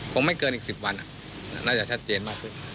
ไม่เกินอีก๑๐วันน่าจะชัดเจนมากขึ้น